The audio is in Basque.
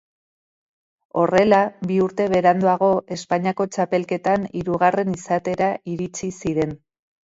Horrela, bi urte beranduago Espainiako txapelketan hirugarren izatera iritsi zen.